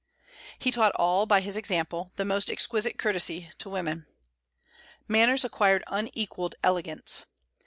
He taught all, by his example, the most exquisite courtesy to women. Manners acquired unequalled elegance.